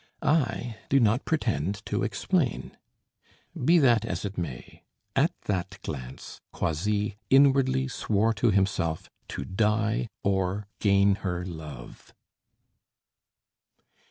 I do not pretend to explain. Be that as it may; at that glance, Croisilles inwardly swore to himself to die or gain her love.